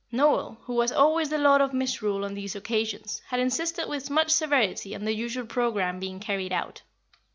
Noel, who was always the Lord of Misrule on these occasions, had insisted with much severity on the usual programme being carried out.